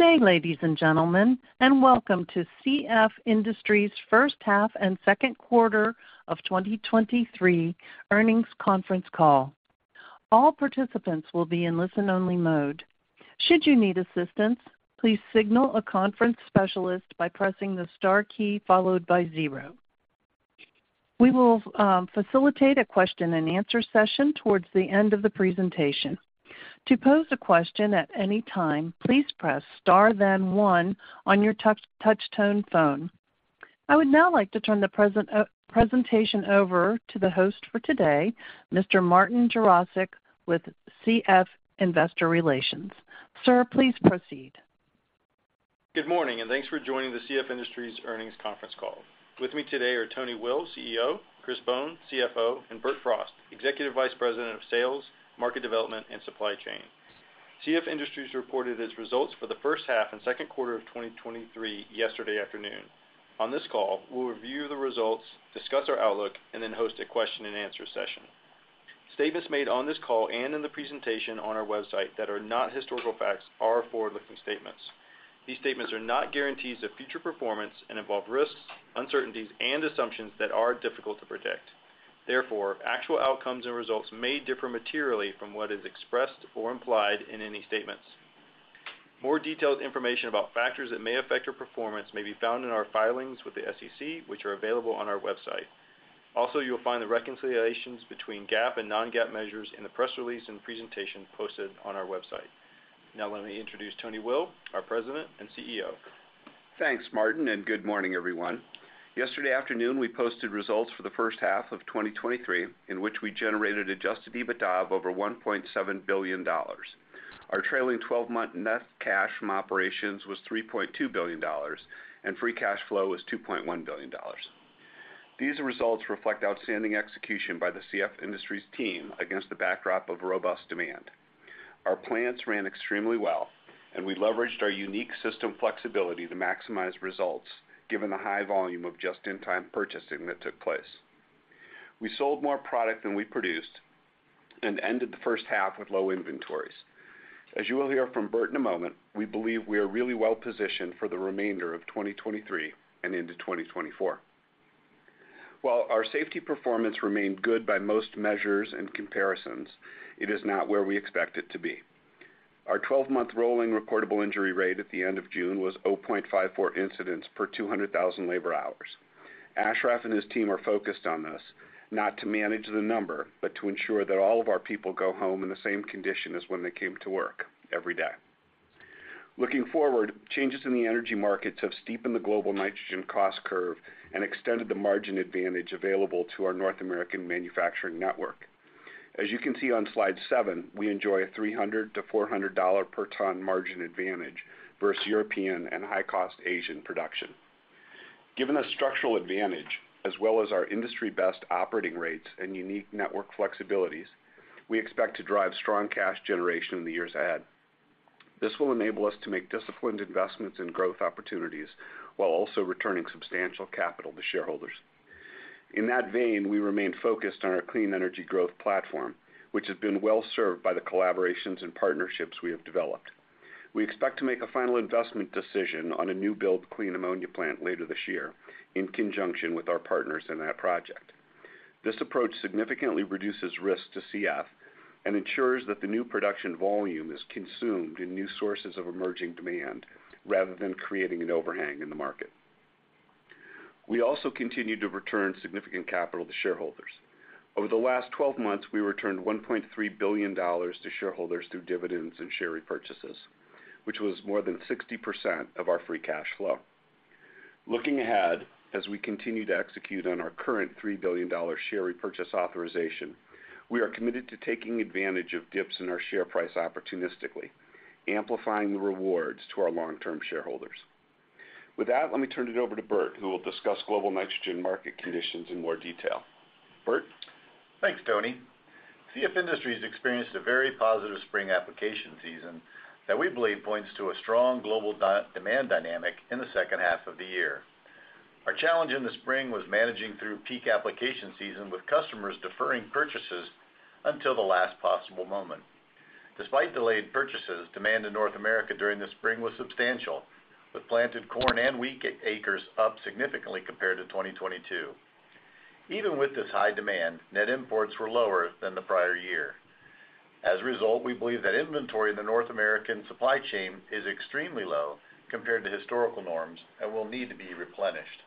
Good day, ladies and gentlemen, and welcome to CF Industries' first half and second quarter of 2023 earnings conference call. All participants will be in listen-only mode. Should you need assistance, please signal a conference specialist by pressing the star key followed by 0. We will facilitate a question-and-answer session towards the end of the presentation. To pose a question at any time, please press star, then 1 on your touch tone phone. I would now like to turn the presentation over to the host for today, Mr. Martin Jarosick, with CF Investor Relations. Sir, please proceed. Good morning, and thanks for joining the CF Industries earnings conference call, with me today are Tony Will, CEO, Chris Bohn, CFO, and Bert Frost, Executive Vice President of Sales, Market Development, and Supply Chain. CF Industries reported its results for the first half and second quarter of 2023 yesterday afternoon. On this call, we'll review the results, discuss our outlook, and then host a question-and-answer session. Statements made on this call and in the presentation on our website that are not historical facts are forward-looking statements. These statements are not guarantees of future performance and involve risks, uncertainties, and assumptions that are difficult to predict. Therefore, actual outcomes and results may differ materially from what is expressed or implied in any statements. More detailed information about factors that may affect your performance may be found in our filings with the SEC, which are available on our website. Also, you'll find the reconciliations between GAAP and non-GAAP measures in the press release and presentation posted on our website. Now, let me introduce Tony Will, our President and CEO. Thanks, Martin. Good morning, everyone. Yesterday afternoon, we posted results for the first half of 2023, in which we generated adjusted EBITDA of over $1.7 billion. Our trailing twelve-month net cash from operations was $3.2 billion, and free cash flow was $2.1 billion. These results reflect outstanding execution by the CF Industries team against the backdrop of robust demand. Our plants ran extremely well, and we leveraged our unique system flexibility to maximize results, given the high volume of just-in-time purchasing that took place. We sold more product than we produced and ended the first half with low inventories. As you will hear from Bert in a moment, we believe we are really well-positioned for the remainder of 2023 and into 2024. While our safety performance remained good by most measures and comparisons, it is not where we expect it to be. Our 12-month rolling reportable injury rate at the end of June was 0.54 incidents per 200,000 labor hours. Ashraf and his team are focused on this, not to manage the number, but to ensure that all of our people go home in the same condition as when they came to work every day. Looking forward, changes in the energy markets have steepened the global nitrogen cost curve and extended the margin advantage available to our North American manufacturing network. As you can see on slide 7, we enjoy a $300-$400 per ton margin advantage versus European and high-cost Asian production. Given the structural advantage, as well as our industry-best operating rates and unique network flexibilities, we expect to drive strong cash generation in the years ahead. This will enable us to make disciplined investments in growth opportunities while also returning substantial capital to shareholders. In that vein, we remain focused on our clean energy growth platform, which has been well-served by the collaborations and partnerships we have developed. We expect to make a final investment decision on a new build clean ammonia plant later this year in conjunction with our partners in that project. This approach significantly reduces risk to CF and ensures that the new production volume is consumed in new sources of emerging demand rather than creating an overhang in the market. We also continue to return significant capital to shareholders. Over the last 12 months, we returned $1.3 billion to shareholders through dividends and share repurchases, which was more than 60% of our free cash flow. Looking ahead, as we continue to execute on our current $3 billion share repurchase authorization, we are committed to taking advantage of dips in our share price opportunistically, amplifying the rewards to our long-term shareholders. With that, let me turn it over to Bert, who will discuss global nitrogen market conditions in more detail. Bert? Thanks, Tony. CF Industries experienced a very positive spring application season that we believe points to a strong global demand dynamic in the second half of the year. Our challenge in the spring was managing through peak application season, with customers deferring purchases until the last possible moment. Despite delayed purchases, demand in North America during the spring was substantial, with planted corn and wheat acres up significantly compared to 2022. Even with this high demand, net imports were lower than the prior year. As a result, we believe that inventory in the North American supply chain is extremely low compared to historical norms and will need to be replenished.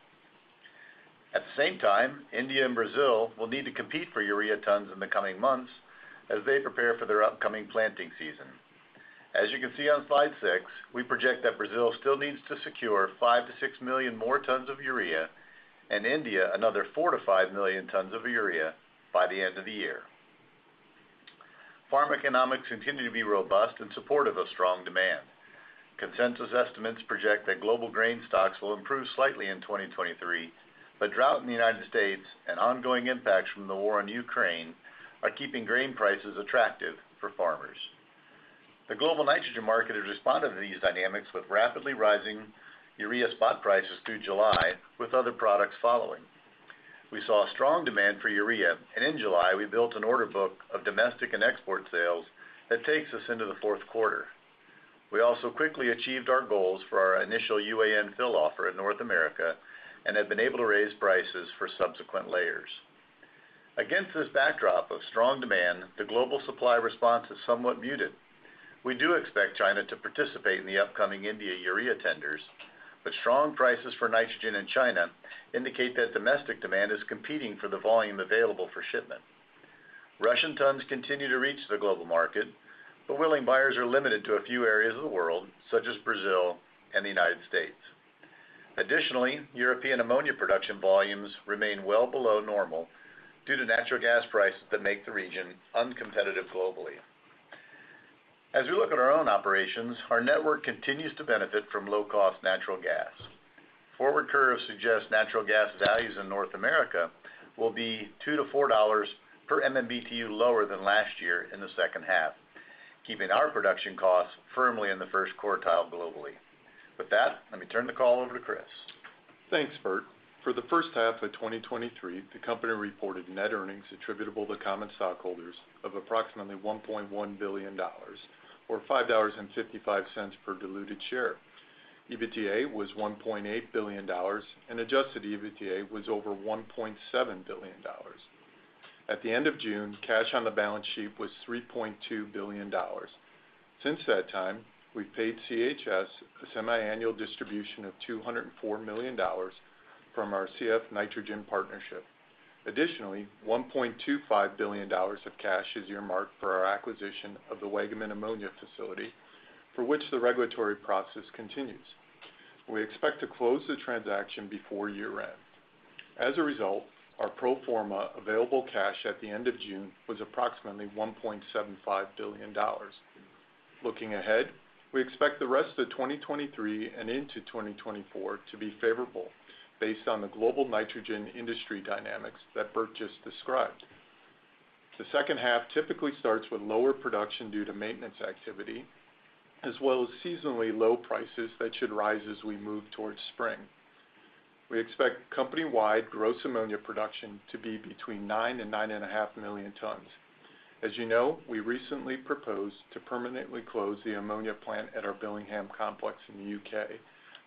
At the same time, India and Brazil will need to compete for urea tons in the coming months as they prepare for their upcoming planting season. As you can see on slide six, we project that Brazil still needs to secure 5-6 million more tons of urea, and India, another 4-5 million tons of urea by the end of the year. Farm economics continue to be robust and supportive of strong demand. Consensus estimates project that global grain stocks will improve slightly in 2023, but drought in the United States and ongoing impacts from the war in Ukraine are keeping grain prices attractive for farmers. The global nitrogen market has responded to these dynamics with rapidly rising urea spot prices through July, with other products following. We saw strong demand for urea, and in July, we built an order book of domestic and export sales that takes us into the fourth quarter. We also quickly achieved our goals for our initial UAN fill offer in North America and have been able to raise prices for subsequent layers. Against this backdrop of strong demand, the global supply response is somewhat muted. We do expect China to participate in the upcoming India urea tenders, but strong prices for nitrogen in China indicate that domestic demand is competing for the volume available for shipment. Russian tons continue to reach the global market, but willing buyers are limited to a few areas of the world, such as Brazil and the United States. European ammonia production volumes remain well below normal due to natural gas prices that make the region uncompetitive globally. We look at our own operations, our network continues to benefit from low-cost natural gas. Forward curves suggest natural gas values in North America will be $2-$4 per MMBtu lower than last year in the second half, keeping our production costs firmly in the first quartile globally. With that, let me turn the call over to Chris. Thanks, Bert. For the first half of 2023, the company reported net earnings attributable to common stockholders of approximately $1.1 billion, or $5.55 per diluted share. EBITDA was $1.8 billion. Adjusted EBITDA was over $1.7 billion. At the end of June, cash on the balance sheet was $3.2 billion. Since that time, we've paid CHS a semiannual distribution of $204 million from our CF Nitrogen partnership. Additionally, $1.25 billion of cash is earmarked for our acquisition of the Waggaman ammonia facility, for which the regulatory process continues. We expect to close the transaction before year-end. As a result, our pro forma available cash at the end of June was approximately $1.75 billion. Looking ahead, we expect the rest of 2023 and into 2024 to be favorable based on the global nitrogen industry dynamics that Bert just described. The second half typically starts with lower production due to maintenance activity, as well as seasonally low prices that should rise as we move towards spring. We expect company-wide gross ammonia production to be between 9 and 9.5 million tons. As you know, we recently proposed to permanently close the ammonia plant at our Billingham complex in the UK,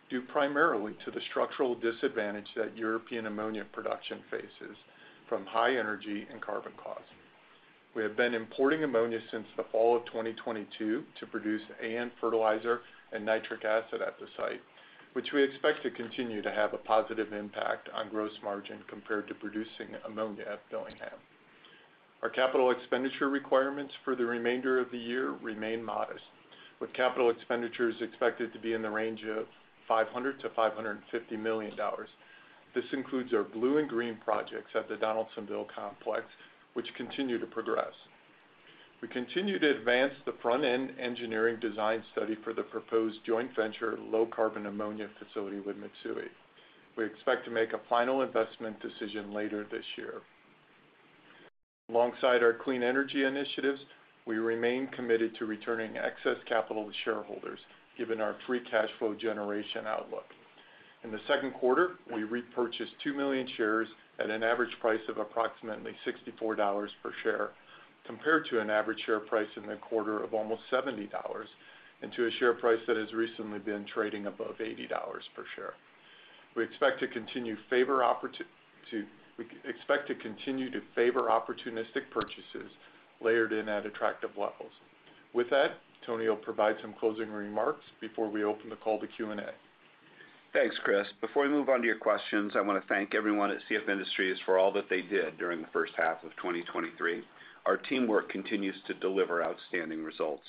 due primarily to the structural disadvantage that European ammonia production faces from high energy and carbon costs. We have been importing ammonia since the fall of 2022 to produce AN fertilizer and nitric acid at the site, which we expect to continue to have a positive impact on gross margin compared to producing ammonia at Billingham. Our capital expenditure requirements for the remainder of the year remain modest, with capital expenditures expected to be in the range of $500 million-$550 million. This includes our blue and green projects at the Donaldsonville complex, which continue to progress. We continue to advance the front-end engineering design study for the proposed joint venture low-carbon ammonia facility with Mitsui. We expect to make a final investment decision later this year. Alongside our clean energy initiatives, we remain committed to returning excess capital to shareholders, given our free cash flow generation outlook. In the second quarter, we repurchased 2 million shares at an average price of approximately $64 per share, compared to an average share price in the quarter of almost $70, and to a share price that has recently been trading above $80 per share. We expect to continue to favor opportunistic purchases layered in at attractive levels, with that, Tony will provide some closing remarks before we open the call to Q&A. Thanks, Chris. Before we move on to your questions, I want to thank everyone at CF Industries for all that they did during the first half of 2023. Our teamwork continues to deliver outstanding results.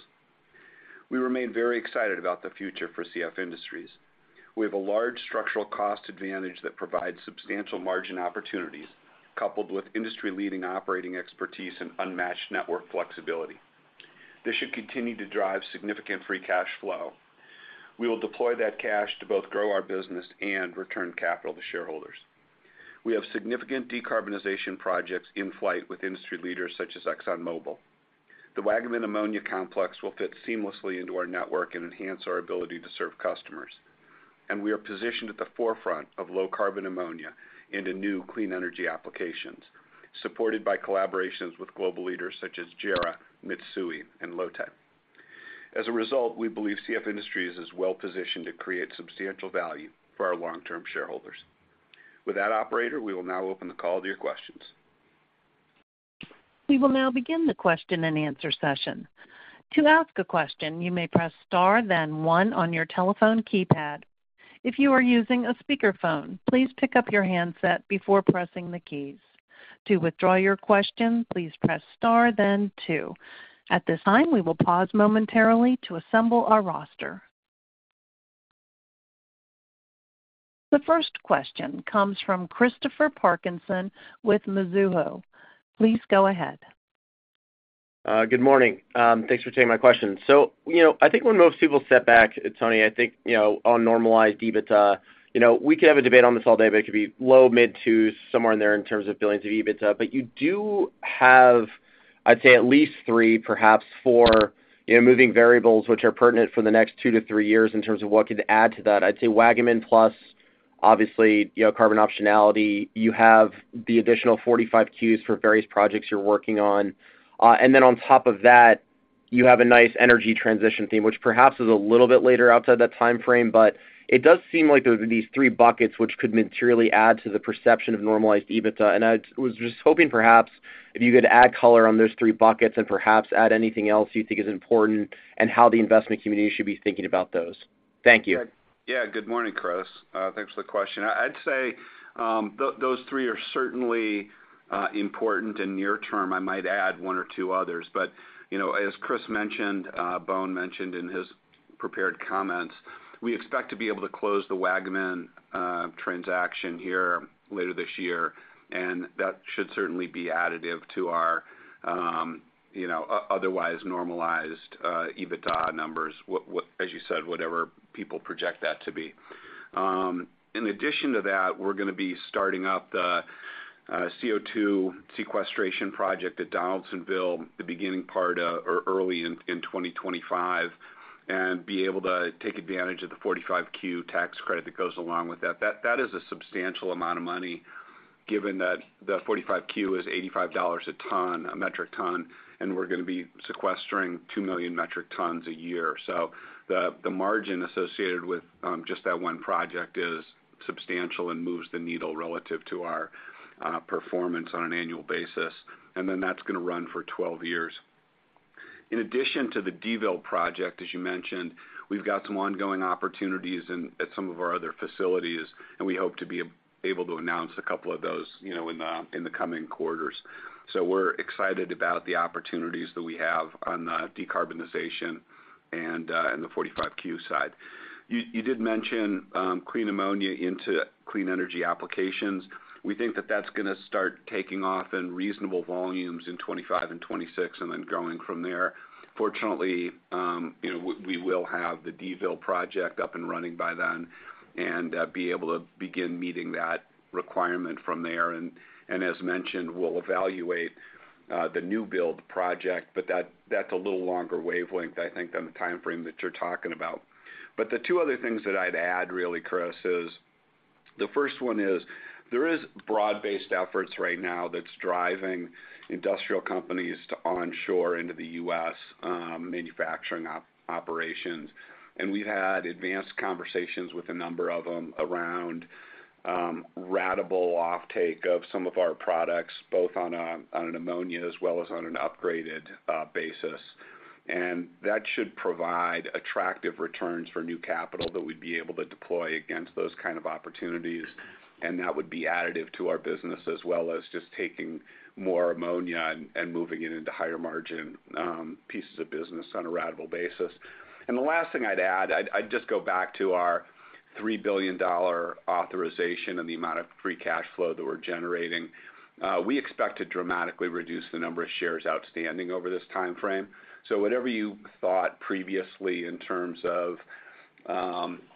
We remain very excited about the future for CF Industries. We have a large structural cost advantage that provides substantial margin opportunities, coupled with industry-leading operating expertise and unmatched network flexibility. This should continue to drive significant free cash flow. We will deploy that cash to both grow our business and return capital to shareholders. We have significant decarbonization projects in flight with industry leaders such as ExxonMobil. The Waggaman Ammonia complex will fit seamlessly into our network and enhance our ability to serve customers. We are positioned at the forefront of low-carbon ammonia into new clean energy applications, supported by collaborations with global leaders such as JERA, Mitsui, and LOTTE. As a result, we believe CF Industries is well positioned to create substantial value for our long-term shareholders. With that, operator, we will now open the call to your questions. We will now begin the question-and-answer session. To ask a question, you may press star then 1 on your telephone keypad. If you are using a speakerphone, please pick up your handset before pressing the keys. To withdraw your question, please press star then 2. At this time, we will pause momentarily to assemble our roster. The first question comes from Christopher Parkinson with Mizuho. Please go ahead. Good morning. Thanks for taking my question. You know, I think when most people step back, Tony, I think, you know, on normalized EBITDA, you know, we could have a debate on this all day, but it could be low, mid-$2 billion, somewhere in there in terms of billions of EBITDA. You do have... I'd say at least three, perhaps four, you know, moving variables, which are pertinent for the next two to three years in terms of what could add to that. I'd say Waggaman plus, obviously, you know, carbon optionality. You have the additional 45Q for various projects you're working on. Then on top of that, you have a nice energy transition theme, which perhaps is a little bit later outside that time frame, but it does seem like those are these three buckets which could materially add to the perception of normalized EBITDA. I was just hoping perhaps if you could add color on those three buckets and perhaps add anything else you think is important, and how the investment community should be thinking about those. Thank you. Yeah. Good morning, Chris. Thanks for the question. I'd say those three are certainly important in near term. I might add one or two others, but, you know, as Chris mentioned, Bohn mentioned in his prepared comments, we expect to be able to close the Waggaman transaction here later this year, and that should certainly be additive to our, you know, otherwise normalized EBITDA numbers. What, as you said, whatever people project that to be. In addition to that, we're gonna be starting up the CO2 sequestration project at Donaldsonville, the beginning part of, or early in, 2025, and be able to take advantage of the 45Q tax credit that goes along with that. That is a substantial amount of money given that the 45Q is $85 a ton, a metric ton, and we're gonna be sequestering 2 million metric tons a year. The, the margin associated with just that one project is substantial and moves the needle relative to our performance on an annual basis, and then that's gonna run for 12 years. In addition to the Donaldsonville project, as you mentioned, we've got some ongoing opportunities at some of our other facilities, and we hope to be able to announce a couple of those, you know, in the, in the coming quarters. We're excited about the opportunities that we have on the decarbonization and the 45Q side. You, you did mention clean ammonia into clean energy applications. We think that that's gonna start taking off in reasonable volumes in 25 and 26, and then growing from there. Fortunately, you know, we, we will have the Donaldsonville project up and running by then and be able to begin meeting that requirement from there. As mentioned, we'll evaluate the new build project, but that's a little longer wavelength, I think, than the time frame that you're talking about. The two other things that I'd add really, Chris, is, the first one is there is broad-based efforts right now that's driving industrial companies to onshore into the U.S., manufacturing operations. And we've had advanced conversations with a number of them around ratable offtake of some of our products, both on a, on an ammonia as well as on an upgraded basis. That should provide attractive returns for new capital that we'd be able to deploy against those kind of opportunities, and that would be additive to our business, as well as just taking more ammonia and, and moving it into higher margin pieces of business on a ratable basis. The last thing I'd add, I'd, I'd just go back to our $3 billion authorization and the amount of free cash flow that we're generating. We expect to dramatically reduce the number of shares outstanding over this time frame. Whatever you thought previously in terms of,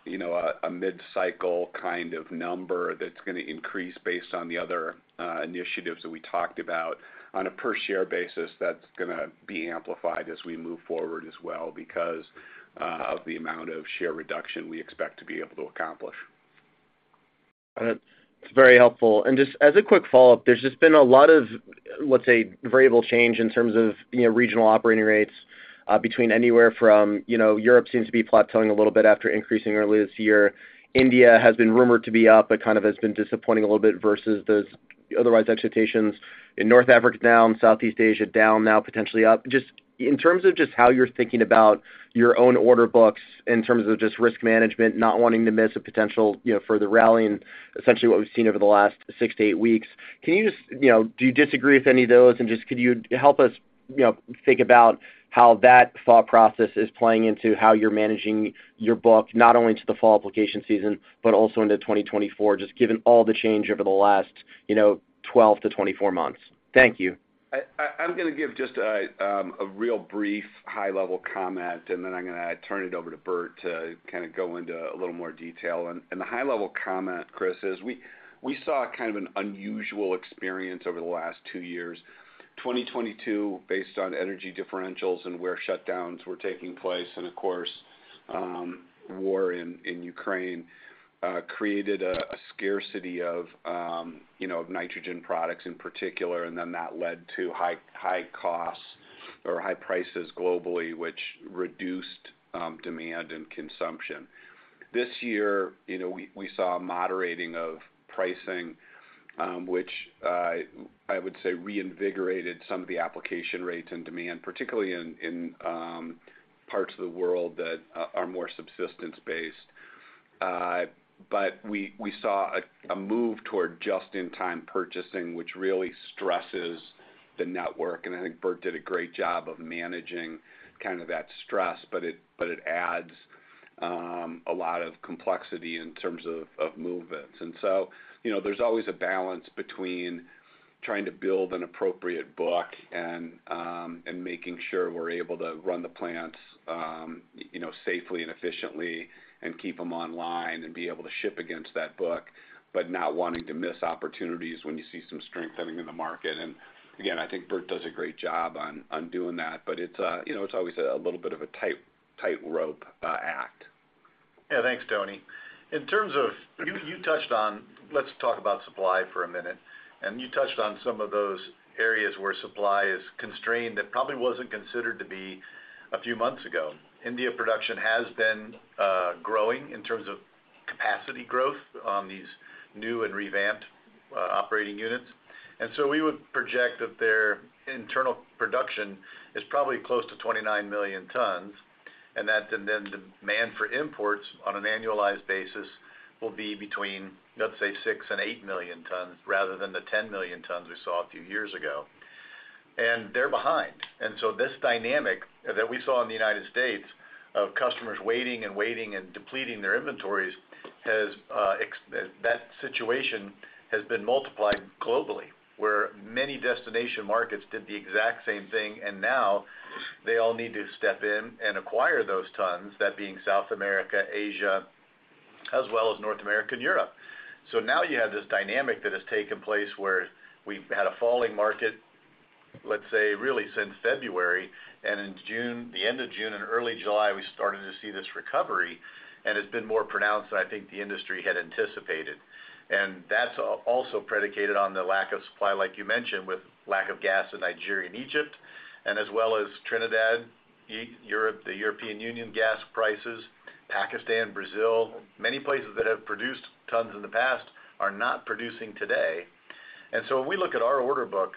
you know, a, a mid-cycle kind of number that's gonna increase based on the other initiatives that we talked about, on a per-share basis, that's gonna be amplified as we move forward as well because of the amount of share reduction we expect to be able to accomplish. It's very helpful. Just as a quick follow-up, there's just been a lot of, let's say, variable change in terms of, you know, regional operating rates, between anywhere from. You know, Europe seems to be plateauing a little bit after increasing earlier this year. India has been rumored to be up, but kind of has been disappointing a little bit versus those otherwise expectations. In North Africa, down. Southeast Asia, down, now potentially up. Just in terms of just how you're thinking about your own order books, in terms of just risk management, not wanting to miss a potential, you know, further rally and essentially what we've seen over the last six to eight weeks, can you just, you know, do you disagree with any of those? Just, could you help us, you know, think about how that thought process is playing into how you're managing your book, not only to the fall application season, but also into 2024, just given all the change over the last, you know, 12-24 months? Thank you. I, I, I'm gonna give just a real brief, high-level comment, and then I'm gonna turn it over to Bert to kind of go into a little more detail. The high-level comment, Chris, is we, we saw kind of an unusual experience over the last two years. 2022, based on energy differentials and where shutdowns were taking place, and of course, war in Ukraine created a scarcity of, you know, nitrogen products in particular, and then that led to high, high costs or high prices globally, which reduced demand and consumption. This year, you know, we, we saw a moderating of pricing, which I would say reinvigorated some of the application rates and demand, particularly in parts of the world that are more subsistence-based. We saw a, a move toward just-in-time purchasing, which really stresses the network, and I think Bert did a great job of managing kind of that stress, but it, but it adds a lot of complexity in terms of, of movements. You know, there's always a balance between trying to build an appropriate book and making sure we're able to run the plants, you know, safely and efficiently and keep them online and be able to ship against that book, but not wanting to miss opportunities when you see some strengthening in the market. Again, I think Bert does a great job on, on doing that, but it's, you know, it's always a little bit of a tightrope act. Yeah, thanks, Tony. In terms of, you touched on, let's talk about supply for a minute. You touched on some of those areas where supply is constrained, that probably wasn't considered to be a few months ago. India production has been growing in terms of capacity growth on these new and revamped operating units. We would project that their internal production is probably close to 29 million tons, and that then demand for imports on an annualized basis will be between, let's say, 6 and 8 million tons rather than the 10 million tons we saw a few years ago. They're behind. This dynamic that we saw in the United States, of customers waiting and waiting and depleting their inventories, has that situation has been multiplied globally, where many destination markets did the exact same thing, and now they all need to step in and acquire those tons, that being South America, Asia, as well as North America and Europe. Now you have this dynamic that has taken place where we've had a falling market, let's say, really, since February, and in June, the end of June and early July, we started to see this recovery, and it's been more pronounced than I think the industry had anticipated. That's also predicated on the lack of supply, like you mentioned, with lack of gas in Nigeria and Egypt, and as well as Trinidad, Europe, the European Union gas prices, Pakistan, Brazil. Many places that have produced tons in the past are not producing today. So when we look at our order book,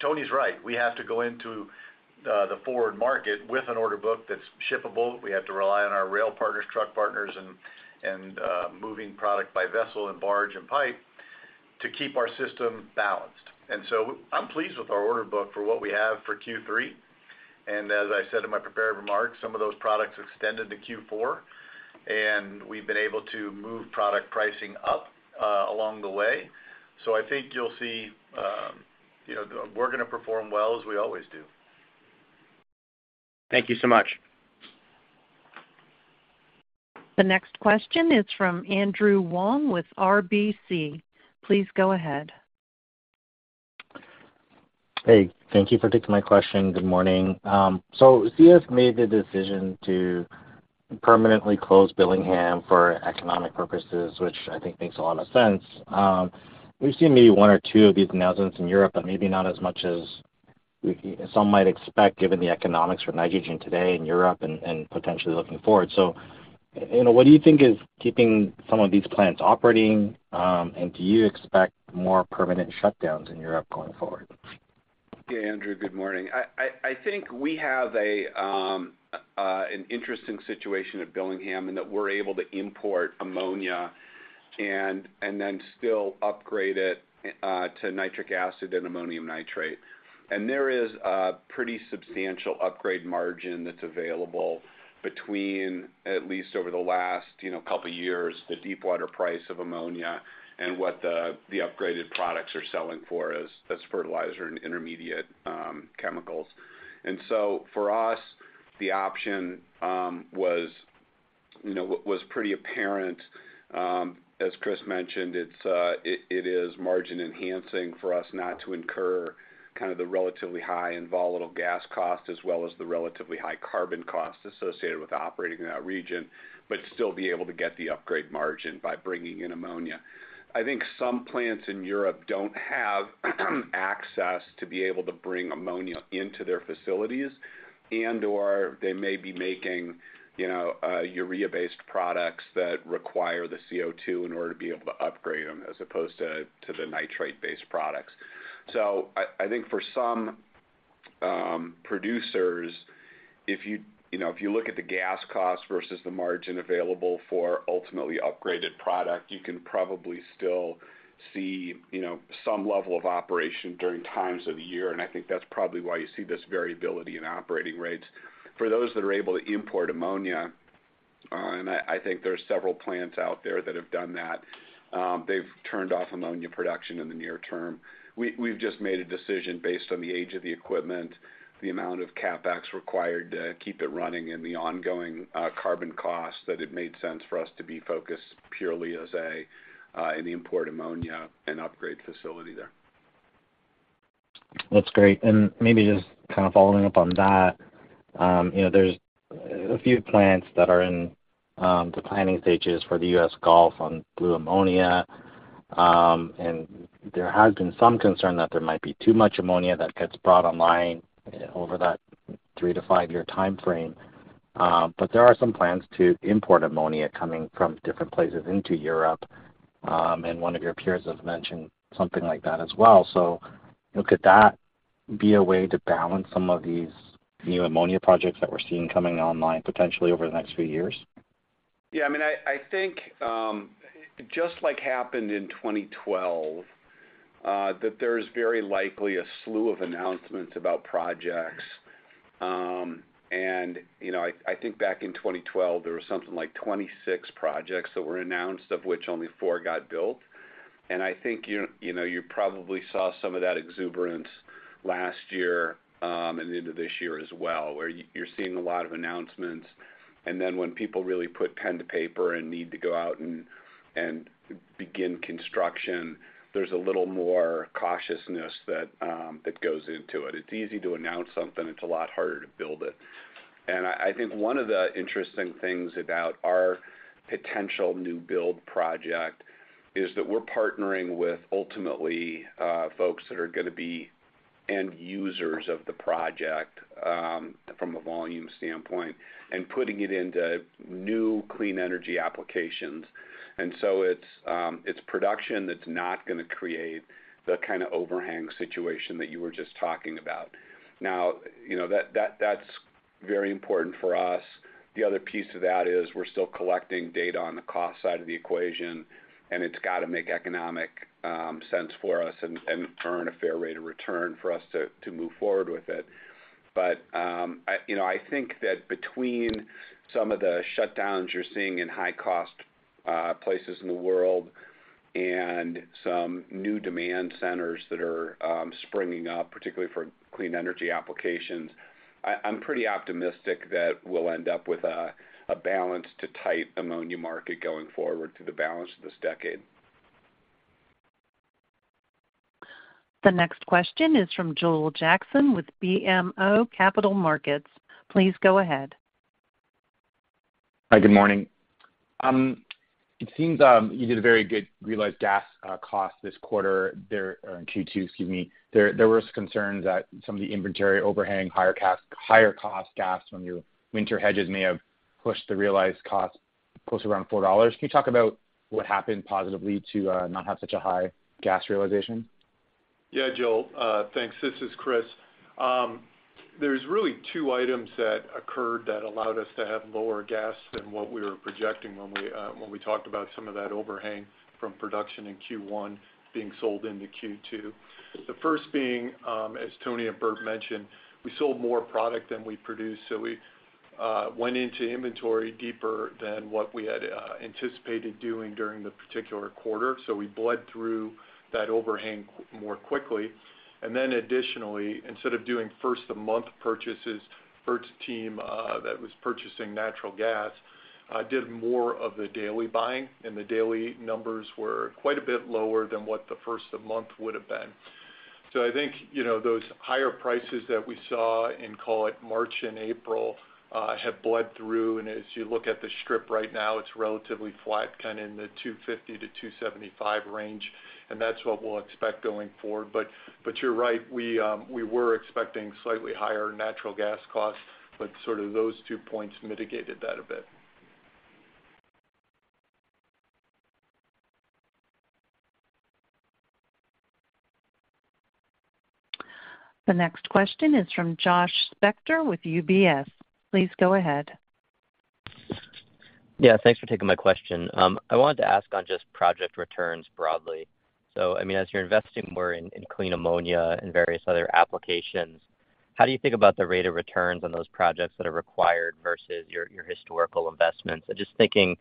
Tony's right. We have to go into the forward market with an order book that's shippable. We have to rely on our rail partners, truck partners, and, and, moving product by vessel and barge and pipe to keep our system balanced. I'm pleased with our order book for what we have for Q3. As I said in my prepared remarks, some of those products extended to Q4, and we've been able to move product pricing up along the way. I think you'll see, you know, we're gonna perform well as we always do. Thank you so much. The next question is from Andrew Wong with RBC. Please go ahead. Hey, thank you for taking my question. Good morning. CF's made the decision to permanently close Billingham for economic purposes, which I think makes a lot of sense. We've seen maybe 1 or 2 of these announcements in Europe, but maybe not as much as we some might expect, given the economics for nitrogen today in Europe and potentially looking forward. You know, what do you think is keeping some of these plants operating, and do you expect more permanent shutdowns in Europe going forward? Yeah, Andrew, good morning. I think we have an interesting situation at Billingham in that we're able to import ammonia and, and then still upgrade it, to nitric acid and ammonium nitrate. There is a pretty substantial upgrade margin that's available between, at least over the last, you know, couple of years, the deepwater price of ammonia and what the, the upgraded products are selling for as, as fertilizer and intermediate, chemicals. For us, the option, was, you know, pretty apparent. As Chris mentioned, it's, it, it is margin-enhancing for us not to incur kind of the relatively high and volatile gas cost, as well as the relatively high carbon costs associated with operating in that region, but still be able to get the upgrade margin by bringing in ammonia. I think some plants in Europe don't have access to be able to bring ammonia into their facilities, and/or they may be making, you know, urea-based products that require the CO2 in order to be able to upgrade them, as opposed to, to the nitrate-based products. I, I think for some producers, if you, you know, if you look at the gas cost versus the margin available for ultimately upgraded product, you can probably still see, you know, some level of operation during times of the year. I think that's probably why you see this variability in operating rates. For those that are able to import ammonia, and I, I think there are several plants out there that have done that, they've turned off ammonia production in the near term. We've just made a decision based on the age of the equipment, the amount of CapEx required to keep it running, and the ongoing, carbon costs, that it made sense for us to be focused purely as a, an import ammonia and upgrade facility there. That's great. Maybe just kind of following up on that, you know, there's a few plants that are in the planning stages for the US Gulf on blue ammonia. There has been some concern that there might be too much ammonia that gets brought online over that 3-5-year timeframe. There are some plans to import ammonia coming from different places into Europe, and one of your peers has mentioned something like that as well. Could that be a way to balance some of these new ammonia projects that we're seeing coming online potentially over the next few years? Yeah, I mean, I think, just like happened in 2012, that there's very likely a slew of announcements about projects. You know, I, I think back in 2012, there was something like 26 projects that were announced, of which only 4 got built. I think, you, you know, you probably saw some of that exuberance last year, and into this year as well, where you're seeing a lot of announcements. When people really put pen to paper and need to go out and, and begin construction, there's a little more cautiousness that, that goes into it. It's easy to announce something, it's a lot harder to build it. I, I think one of the interesting things about our potential new build project is that we're partnering with ultimately, folks that are gonna be end users of the project, from a volume standpoint, and putting it into new clean energy applications. It's, it's production that's not gonna create the kind of overhang situation that you were just talking about. Now, you know, that, that, that's very important for us. The other piece of that is we're still collecting data on the cost side of the equation, and it's got to make economic sense for us and, and earn a fair rate of return for us to, to move forward with it. I, you know, I think that between some of the shutdowns you're seeing in high cost places in the world and some new demand centers that are springing up, particularly for clean energy applications, I, I'm pretty optimistic that we'll end up with a, a balance to tight ammonia market going forward through the balance of this decade. The next question is from Joel Jackson with BMO Capital Markets. Please go ahead. Hi, good morning. It seems you did a very good realized gas cost this quarter there, or in Q2, excuse me. There, there was concerns that some of the inventory overhanging higher cost gas from your winter hedges may have pushed the realized cost close to around $4. Can you talk about what happened positively to not have such a high gas realization? Yeah, Joel, thanks. This is Chris. There's really two items that occurred that allowed us to have lower gas than what we were projecting when we, when we talked about some of that overhang from production in Q1 being sold into Q2. The first being, as Tony and Bert mentioned, we sold more product than we produced, so we, went into inventory deeper than what we had, anticipated doing during the particular quarter. We bled through that overhang more quickly. Additionally, instead of doing first-of-the-month purchases, Bert's team, that was purchasing natural gas, did more of the daily buying, and the daily numbers were quite a bit lower than what the first-of-the-month would have been. I think, you know, those higher prices that we saw in, call it March and April, have bled through. As you look at the strip right now, it's relatively flat, kind of in the $2.50-$2.75 range, and that's what we'll expect going forward. But you're right, we were expecting slightly higher natural gas costs, but sort of those two points mitigated that a bit. The next question is from Josh Spector with UBS. Please go ahead. Yeah, thanks for taking my question. I wanted to ask on just project returns broadly. I mean, as you're investing more in, clean ammonia and various other applications, how do you think about the rate of returns on those projects that are required versus your, your historical investments? Just thinking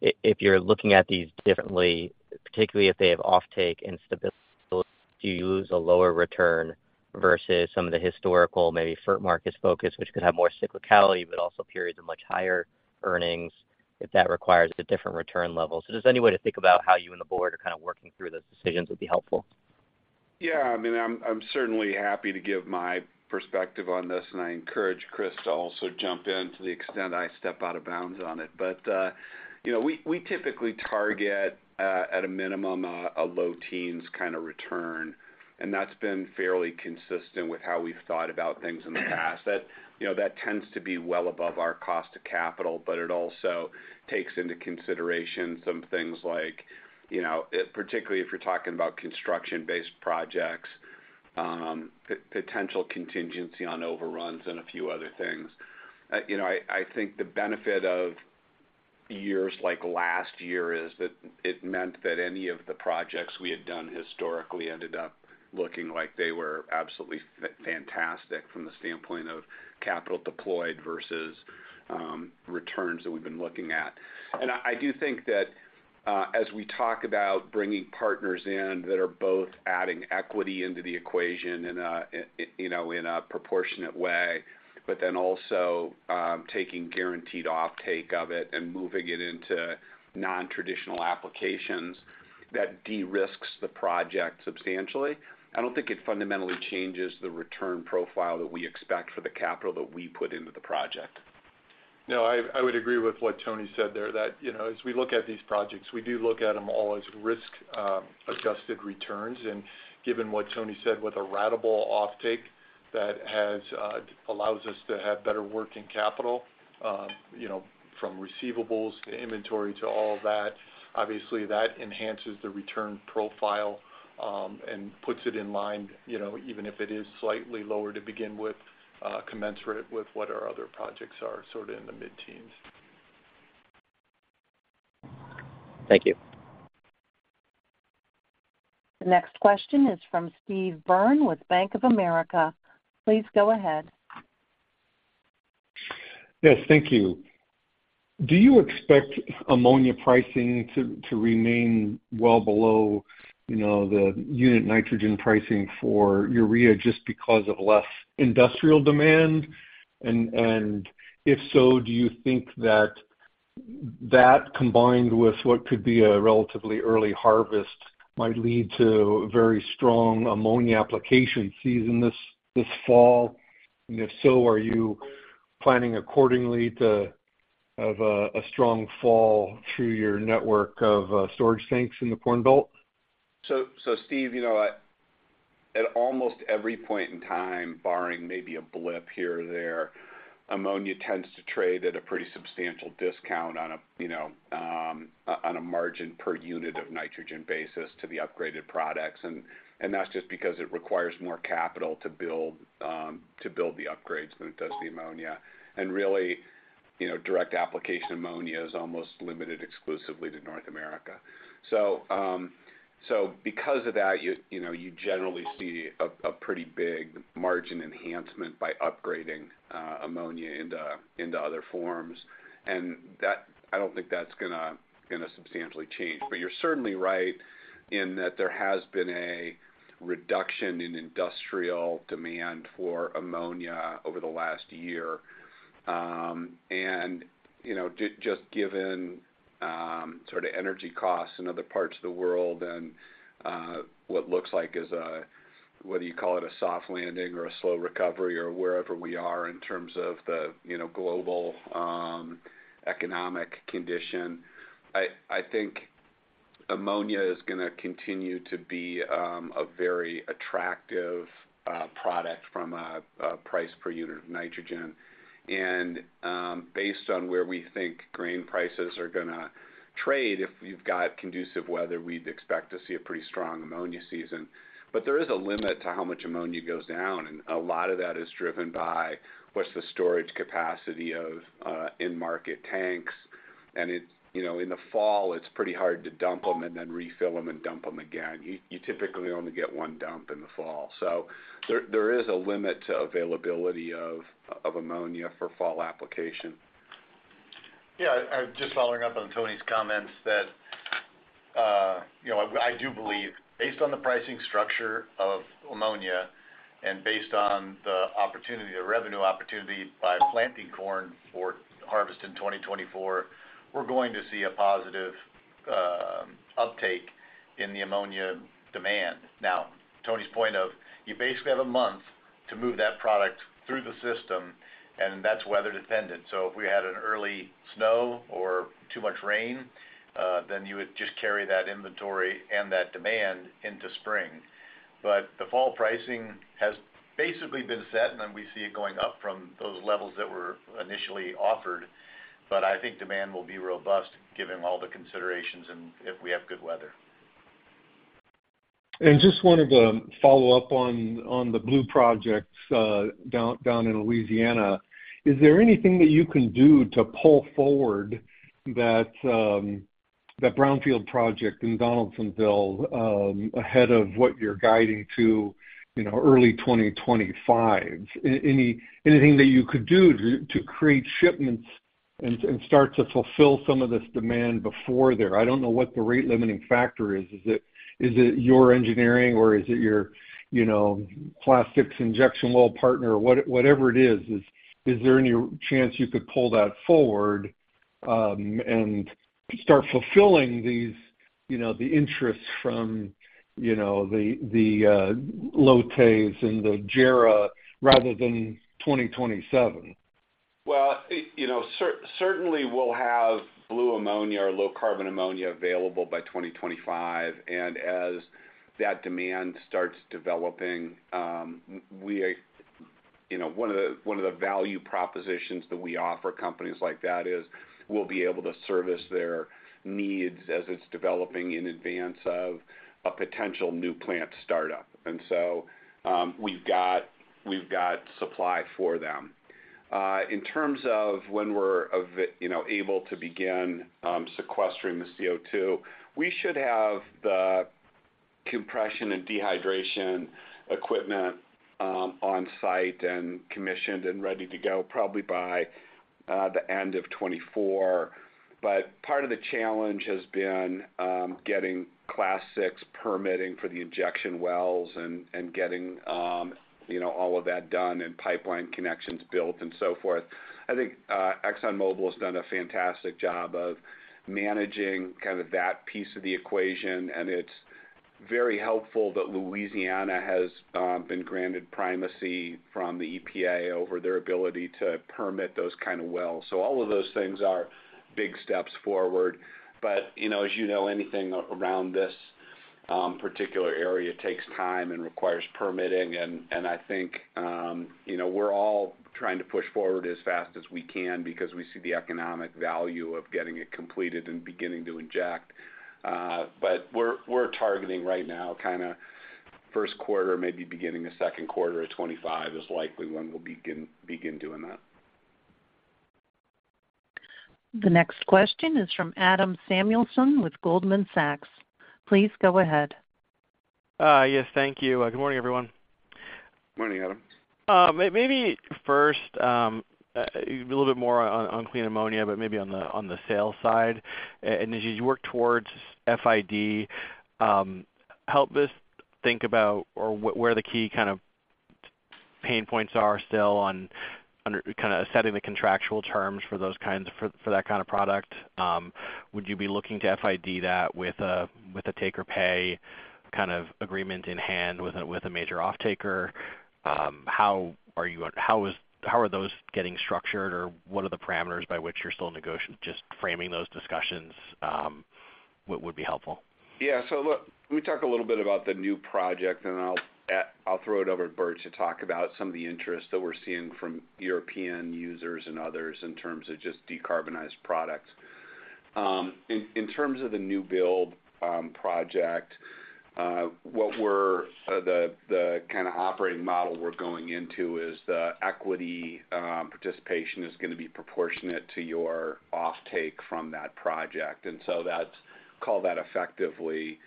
if you're looking at these differently, particularly if they have offtake instability, do you use a lower return versus some of the historical, maybe fert market focus, which could have more cyclicality, but also periods of much higher earnings, if that requires a different return level? Just any way to think about how you and the board are kind of working through those decisions would be helpful. Yeah, I mean, I'm, I'm certainly happy to give my perspective on this, and I encourage Chris to also jump in to the extent I step out of bounds on it. You know, we, we typically target at a minimum, a low teens kind of return, and that's been fairly consistent with how we've thought about things in the past. That, you know, that tends to be well above our cost of capital, but it also takes into consideration some things like, you know, particularly if you're talking about construction-based projects, potential contingency on overruns and a few other things. You know, I, I think the benefit of years like last year is that it meant that any of the projects we had done historically ended up looking like they were absolutely fantastic from the standpoint of capital deployed versus returns that we've been looking at. I, I do think that, as we talk about bringing partners in that are both adding equity into the equation in a, you know, in a proportionate way, but then also taking guaranteed offtake of it and moving it into nontraditional applications, that de-risks the project substantially. I don't think it fundamentally changes the return profile that we expect for the capital that we put into the project. No, I, I would agree with what Tony said there, that, you know, as we look at these projects, we do look at them all as risk, adjusted returns. Given what Tony said, with a ratable offtake that has, allows us to have better working capital, you know, from receivables to inventory to all of that, obviously that enhances the return profile, and puts it in line, you know, even if it is slightly lower to begin with, commensurate with what our other projects are, sort of in the mid-teens. Thank you. The next question is from Steve Byrne with Bank of America. Please go ahead. Yes, thank you. Do you expect ammonia pricing to, to remain well below, you know, the unit nitrogen pricing for urea just because of less industrial demand? If so, do you think that that combined with what could be a relatively early harvest, might lead to very strong ammonia application season this, this fall? If so, are you planning accordingly to have a, a strong fall through your network of storage tanks in the Corn Belt? Steve, you know, at almost every point in time, barring maybe a blip here or there, ammonia tends to trade at a pretty substantial discount on a, you know, on a margin per unit of nitrogen basis to the upgraded products. That's just because it requires more capital to build, to build the upgrades than it does the ammonia. Really, you know, direct application ammonia is almost limited exclusively to North America. Because of that, you, you know, you generally see a, a pretty big margin enhancement by upgrading, ammonia into, into other forms. That, I don't think that's gonna, gonna substantially change. You're certainly right in that there has been a reduction in industrial demand for ammonia over the last year. You know, just given, sort of energy costs in other parts of the world and, what looks like is a, whether you call it a soft landing or a slow recovery or wherever we are in terms of the, you know, global, economic condition, I, I think ammonia is gonna continue to be, a very attractive, product from a, a price per unit of nitrogen. Based on where we think grain prices are gonna trade, if you've got conducive weather, we'd expect to see a pretty strong ammonia season. There is a limit to how much ammonia goes down, and a lot of that is driven by what's the storage capacity of, in-market tanks. You know, in the fall, it's pretty hard to dump them and then refill them and dump them again. You typically only get one dump in the fall. There, there is a limit to availability of, of ammonia for fall application. Yeah, just following up on Tony's comments, that, you know, I, I do believe, based on the pricing structure of ammonia and based on the opportunity, the revenue opportunity by planting corn for harvest in 2024, we're going to see a positive uptake in the ammonia demand. Tony's point of you basically have a month to move that product through the system, and that's weather dependent. If we had an early snow or too much rain, then you would just carry that inventory and that demand into spring. The fall pricing has basically been set, and then we see it going up from those levels that were initially offered. I think demand will be robust, given all the considerations and if we have good weather. Just wanted to follow up on, on the blue projects, down, down in Louisiana. Is there anything that you can do to pull forward that, that brownfield project in Donaldsonville, ahead of what you're guiding to, you know, early 2025? Anything that you could do to, to create shipments and, and start to fulfill some of this demand before there? I don't know what the rate limiting factor is. Is it, is it your engineering, or is it your, you know, plastics injection well partner? Whatever it is, is, is there any chance you could pull that forward, and start fulfilling these, you know, the interests from, you know, the, the, LOTTEs and the JERA rather than 2027? Well, you know, certainly, we'll have blue ammonia or low carbon ammonia available by 2025. As that demand starts developing, we are, you know, one of the, one of the value propositions that we offer companies like that is we'll be able to service their needs as it's developing in advance of a potential new plant startup. We've got, we've got supply for them. In terms of when we're, you know, able to begin, sequestering the CO2, we should have the compression and dehydration equipment on site and commissioned and ready to go, probably by the end of 2024. Part of the challenge has been getting Class VI permitting for the injection wells and getting, you know, all of that done and pipeline connections built and so forth. I think ExxonMobil has done a fantastic job of managing kind of that piece of the equation, and it's very helpful that Louisiana has been granted primacy from the EPA over their ability to permit those kind of wells. All of those things are big steps forward. As you know, anything around this particular area takes time and requires permitting. I think, you know, we're all trying to push forward as fast as we can because we see the economic value of getting it completed and beginning to inject. We're, we're targeting right now, kind of 1st quarter, maybe beginning of 2nd quarter of 2025, is likely when we'll begin, begin doing that. The next question is from Adam Samuelson with Goldman Sachs. Please go ahead. Yes, thank you. Good morning, everyone. Morning, Adam. Maybe first, a little bit more on clean ammonia, maybe on the sales side. As you work towards FID, help us think about or where the key kind of pain points are still on setting the contractual terms for those kinds of for that kind of product. Would you be looking to FID that with a take or pay kind of agreement in hand with a major offtaker? How are those getting structured? What are the parameters by which you're still framing those discussions, what would be helpful? Look, let me talk a little bit about the new project, and I'll throw it over to Burt to talk about some of the interests that we're seeing from European users and others in terms of just decarbonized products. In, in terms of the new build project, the kind of operating model we're going into is the equity participation is gonna be proportionate to your offtake from that project, so that's, call that effectively,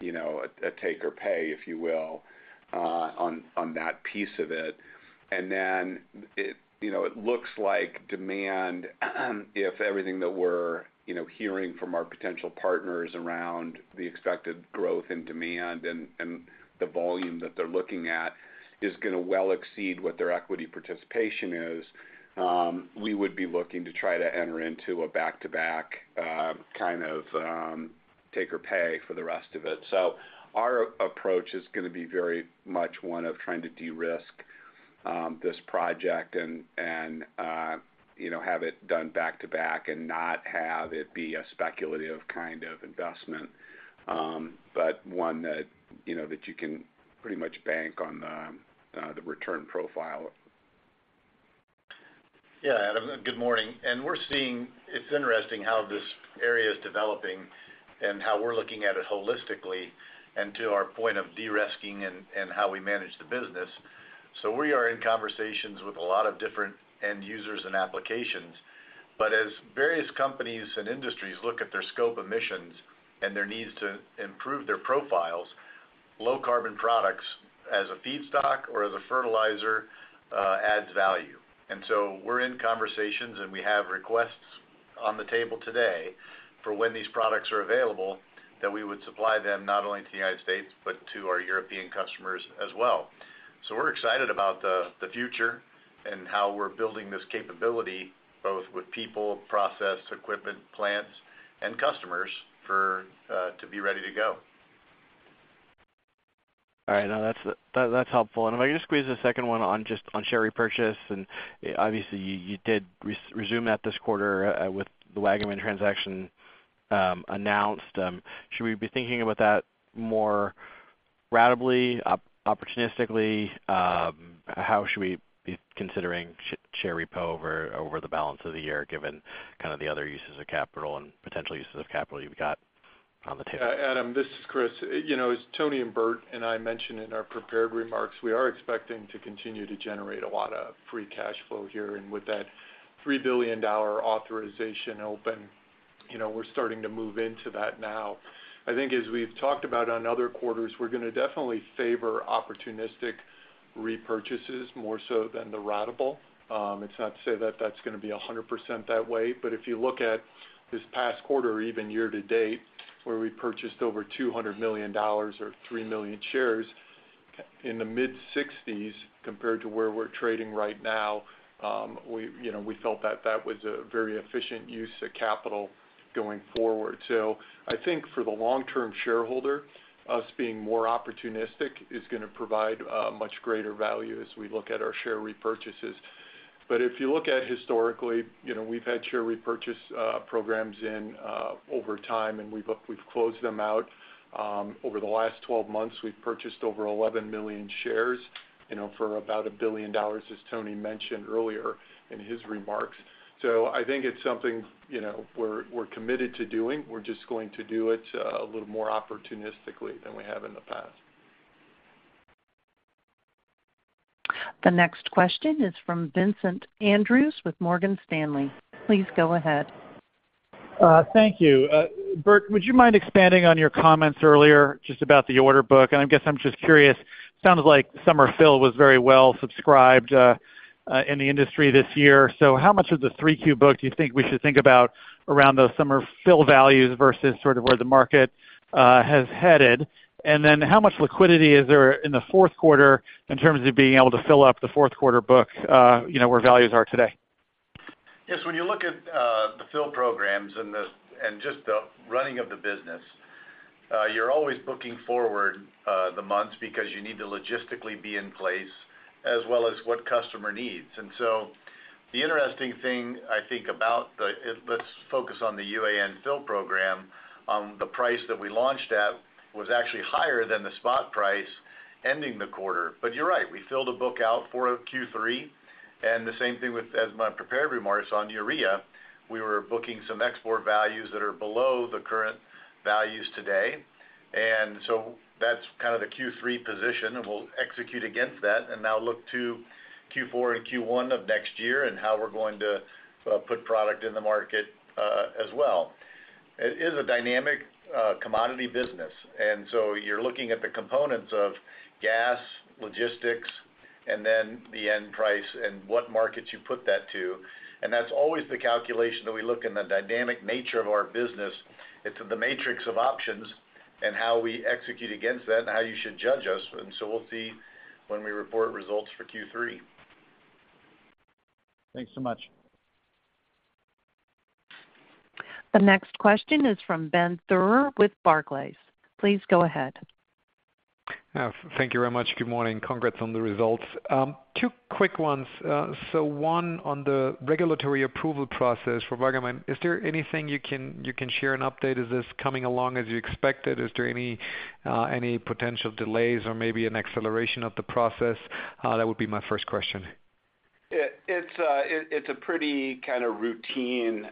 you know, a, a take or pay, if you will, on, on that piece of it. It, you know, it looks like demand, if everything that we're, you know, hearing from our potential partners around the expected growth in demand and, and the volume that they're looking at, is gonna well exceed what their equity participation is, we would be looking to try to enter into a back-to-back, kind of, take or pay for the rest of it. Our approach is gonna be very much one of trying to de-risk, this project and, and, you know, have it done back-to-back and not have it be a speculative kind of investment, but one that, you know, that you can pretty much bank on the, the return profile. Yeah, Adam, good morning. We're seeing-- it's interesting how this area is developing and how we're looking at it holistically and to our point of de-risking and, and how we manage the business. We are in conversations with a lot of different end users and applications. As various companies and industries look at their scope of emissions and their needs to improve their profiles, low carbon products, as a feedstock or as a fertilizer, adds value. We're in conversations, and we have requests on the table today for when these products are available, that we would supply them not only to the United States, but to our European customers as well. We're excited about the, the future and how we're building this capability, both with people, process, equipment, plants, and customers for, to be ready to go. All right, now that's, that, that's helpful. If I could just squeeze a second one on just on share repurchase, and obviously, you, you did resume that this quarter, with the Waggaman transaction, announced. Should we be thinking about that more ratably, opportunistically? How should we be considering share repo over, over the balance of the year, given kind of the other uses of capital and potential uses of capital you've got on the table? Yeah, Adam, this is Chris. You know, as Tony and Bert and I mentioned in our prepared remarks, we are expecting to continue to generate a lot of free cash flow here. With that $3 billion authorization open, you know, we're starting to move into that now. I think as we've talked about on other quarters, we're gonna definitely favor opportunistic repurchases more so than the ratable. It's not to say that that's gonna be 100% that way, but if you look at this past quarter or even year to date, where we purchased over $200 million or 3 million shares in the mid-60s compared to where we're trading right now, we, you know, we felt that that was a very efficient use of capital going forward. I think for the long-term shareholder, us being more opportunistic is gonna provide much greater value as we look at our share repurchases. If you look at historically, you know, we've had share repurchase programs in over time, and we've, we've closed them out. Over the last 12 months, we've purchased over 11 million shares, you know, for about $1 billion, as Tony mentioned earlier in his remarks. I think it's something, you know, we're, we're committed to doing. We're just going to do it a little more opportunistically than we have in the past. The next question is from Vincent Andrews with Morgan Stanley. Please go ahead. Thank you. Bert, would you mind expanding on your comments earlier, just about the order book? I guess I'm just curious, sounds like summer fill was very well subscribed, in the industry this year. How much of the 3Q book do you think we should think about around those summer fill values versus sort of where the market, has headed? Then how much liquidity is there in the fourth quarter in terms of being able to fill up the fourth quarter book, you know, where values are today? Yes, when you look at the fill programs and just the running of the business, you're always looking forward the months because you need to logistically be in place, as well as what customer needs. The interesting thing I think about the-- let's focus on the UAN fill program. The price that we launched at was actually higher than the spot price ending the quarter. You're right, we filled a book out for Q3, and the same thing with, as my prepared remarks on urea. We were booking some export values that are below the current values today. That's kind of the Q3 position, and we'll execute against that and now look to Q4 and Q1 of next year and how we're going to put product in the market, as well. It is a dynamic, commodity business, and so you're looking at the components of gas, logistics, and then the end price and what markets you put that to. That's always the calculation that we look in the dynamic nature of our business. It's the matrix of options and how we execute against that and how you should judge us. We'll see when we report results for Q3. Thanks so much. The next question is from Ben Theurer with Barclays. Please go ahead. Thank you very much. Good morning. Congrats on the results. 2 quick ones. 1, on the regulatory approval process for Waggaman, is there anything you can, you can share an update? Is this coming along as you expected? Is there any, any potential delays or maybe an acceleration of the process? That would be my first question. It's a pretty kind of routine,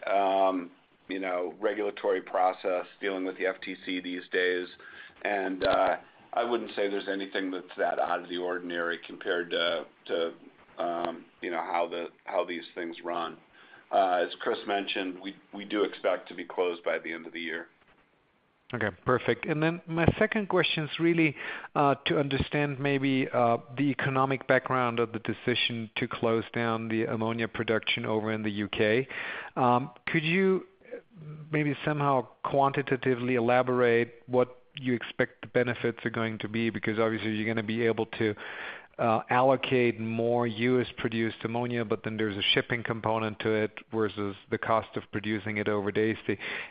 you know, regulatory process dealing with the FTC these days. I wouldn't say there's anything that's that out of the ordinary compared to, to, you know, how the, how these things run. As Chris mentioned, we, we do expect to be closed by the end of the year. Okay, perfect. My second question is really to understand maybe the economic background of the decision to close down the ammonia production over in the UK. Could you maybe somehow quantitatively elaborate what you expect the benefits are going to be? Because obviously, you're gonna be able to allocate more US-produced ammonia, but then there's a shipping component to it versus the cost of producing it over days.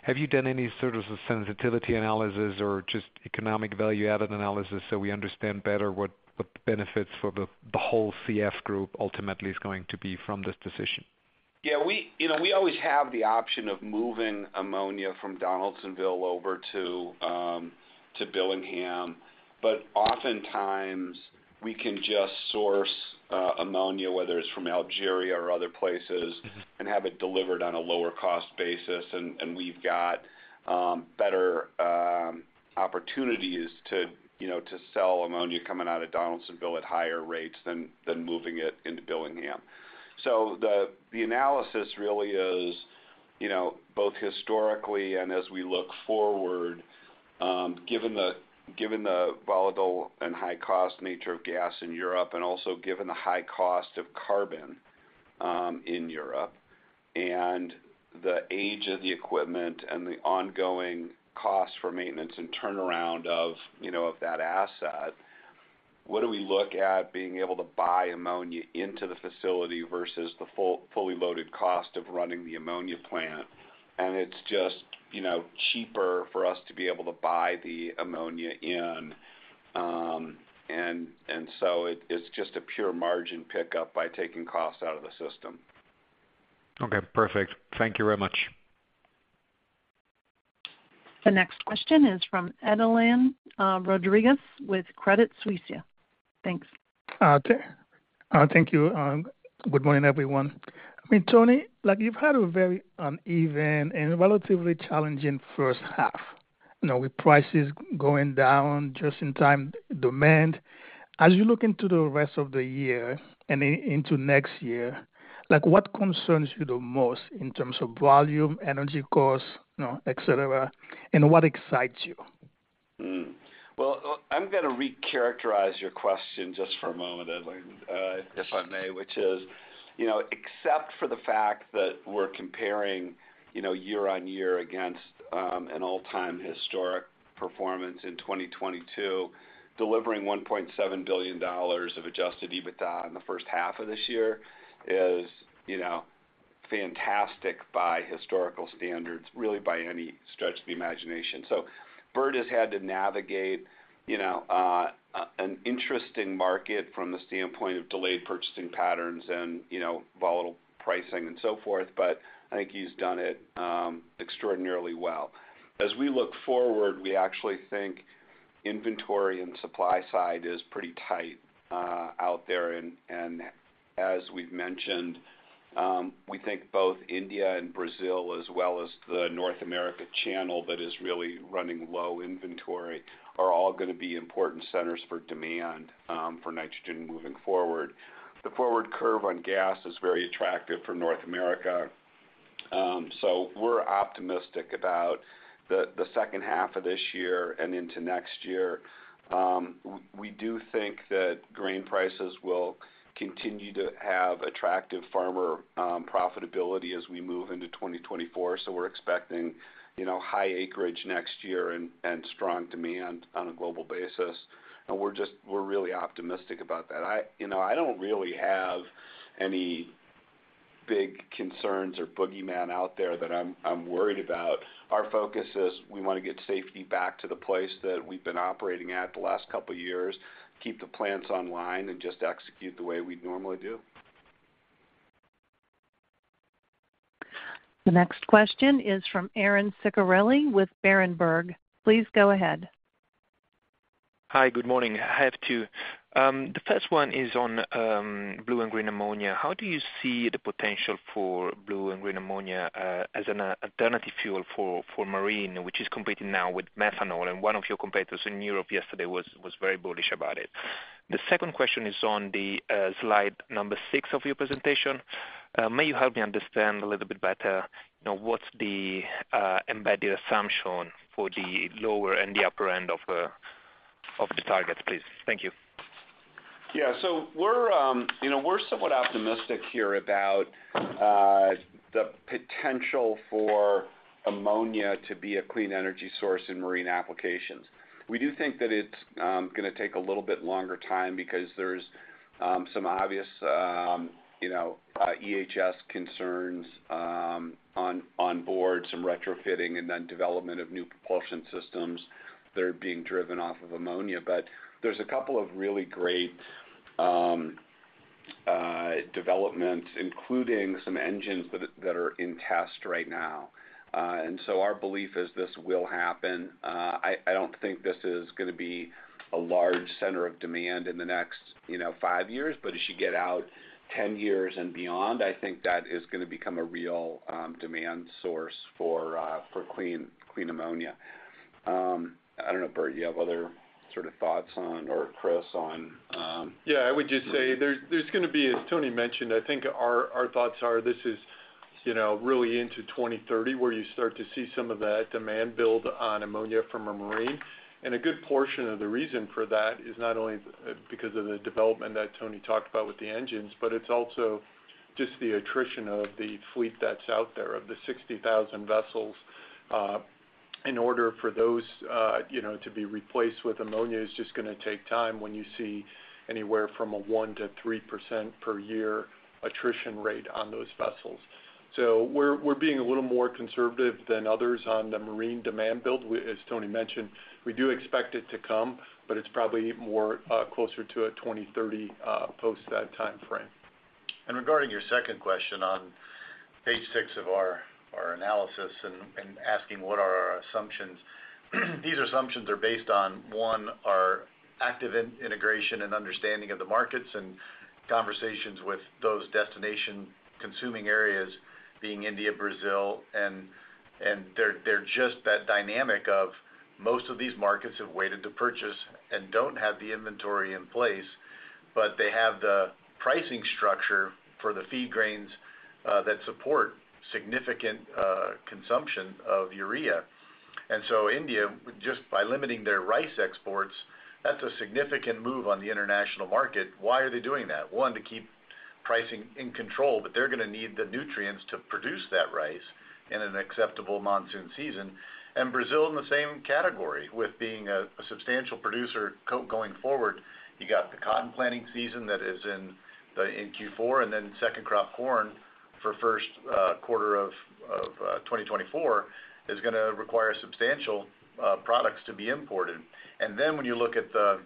Have you done any sort of sensitivity analysis or just economic value-added analysis so we understand better what the benefits for the, the whole CF Group ultimately is going to be from this decision? Yeah, we, you know, we always have the option of moving ammonia from Donaldsonville over to Billingham. Oftentimes, we can just source ammonia, whether it's from Algeria or other places... Mm-hmm. have it delivered on a lower cost basis. We've got better opportunities to, you know, to sell ammonia coming out of Donaldsonville at higher rates than, than moving it into Billingham. The analysis really is, you know, both historically and as we look forward, given the, given the volatile and high cost nature of gas in Europe, and also given the high cost of carbon in Europe, and the age of the equipment and the ongoing costs for maintenance and turnaround of, you know, of that asset, what do we look at being able to buy ammonia into the facility versus the full- fully loaded cost of running the ammonia plant? It's just, you know, cheaper for us to be able to buy the ammonia in. It's just a pure margin pickup by taking costs out of the system. Okay, perfect. Thank you very much. The next question is from Edlain Rodriguez with Credit Suisse. Thanks. Thank you. Good morning, everyone. I mean, Tony, like, you've had a very uneven and relatively challenging first half, you know, with prices going down just in time, demand. As you look into the rest of the year and into next year, like, what concerns you the most in terms of volume, energy costs, you know, et cetera, and what excites you? Well, I'm gonna recharacterize your question just for a moment, Edlan, if I may, which is, you know, except for the fact that we're comparing, you know, year-over-year against an all-time historic performance in 2022, delivering $1.7 billion of adjusted EBITDA in the first half of this year is, you know, fantastic by historical standards, really, by any stretch of the imagination. Bert has had to navigate, you know, an interesting market from the standpoint of delayed purchasing patterns and, you know, volatile pricing and so forth, but I think he's done it extraordinarily well. As we look forward, we actually think inventory and supply side is pretty tight out there. As we've mentioned, we think both India and Brazil, as well as the North America channel that is really running low inventory, are all gonna be important centers for demand, for nitrogen moving forward. The forward curve on gas is very attractive for North America. We're optimistic about the, the second half of this year and into next year. We do think that grain prices will continue to have attractive farmer, profitability as we move into 2024. We're expecting, you know, high acreage next year and, and strong demand on a global basis. We're just, we're really optimistic about that. I, you know, I don't really have any big concerns or boogeyman out there that I'm, I'm worried about. Our focus is we want to get safety back to the place that we've been operating at the last couple of years, keep the plants online, and just execute the way we normally do. The next question is from Aaron Ciccarelli with Berenberg. Please go ahead. Hi, good morning. I have two. The first one is on blue and green ammonia. How do you see the potential for blue and green ammonia, as an alternative fuel for marine, which is competing now with methanol? One of your competitors in Europe yesterday was very bullish about it. The second question is on the slide number 6 of your presentation. May you help me understand a little bit better, you know, what's the embedded assumption for the lower and the upper end of the targets, please? Thank you. Yeah. We're, you know, we're somewhat optimistic here about the potential for ammonia to be a clean energy source in marine applications. We do think that it's gonna take a little bit longer time because there's some obvious, you know, EHS concerns on, on board, some retrofitting and then development of new propulsion systems that are being driven off of ammonia. There's a couple of really great developments, including some engines that are, that are in test right now. Our belief is this will happen. I, I don't think this is gonna be a large center of demand in the next, you know, five years, but as you get out 10 years and beyond, I think that is gonna become a real demand source for clean, clean ammonia. I don't know, Bert, you have other sort of thoughts on, or Chris on... Yeah, I would just say there's, there's gonna be, as Tony mentioned, I think our, our thoughts are this is, you know, really into 2030, where you start to see some of that demand build on ammonia from a marine. A good portion of the reason for that is not only because of the development that Tony talked about with the engines, but it's also just the attrition of the fleet that's out there. Of the 60,000 vessels, in order for those, you know, to be replaced with ammonia is just gonna take time when you see anywhere from a 1%-3% per year attrition rate on those vessels. We're, we're being a little more conservative than others on the marine demand build. As Tony mentioned, we do expect it to come, but it's probably more closer to a 2030 post that timeframe. Regarding your second question on page 6 of our analysis and asking what are our assumptions? These assumptions are based on, 1, our active integration and understanding of the markets and conversations with those destination consuming areas being India, Brazil. They're just that dynamic of most of these markets have waited to purchase and don't have the inventory in place, but they have the pricing structure for the feed grains that support significant consumption of urea. India, just by limiting their rice exports, that's a significant move on the international market. Why are they doing that? 1, to keep pricing in control, but they're gonna need the nutrients to produce that rice in an acceptable monsoon season. Brazil in the same category, with being a substantial producer going forward. You got the cotton planting season that is in the, in Q4, and then second crop corn for first quarter of 2024, is gonna require substantial products to be imported. Then when you look at the,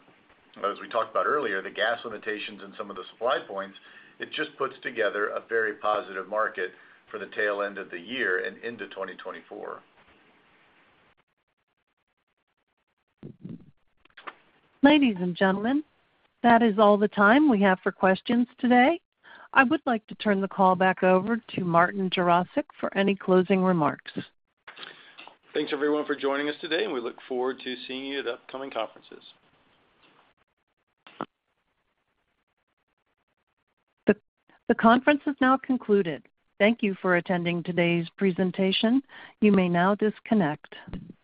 as we talked about earlier, the gas limitations in some of the supply points, it just puts together a very positive market for the tail end of the year and into 2024. Ladies and gentlemen, that is all the time we have for questions today. I would like to turn the call back over to Martin Jurasic for any closing remarks. Thanks, everyone, for joining us today, and we look forward to seeing you at upcoming conferences. The conference is now concluded. Thank you for attending today's presentation. You may now disconnect.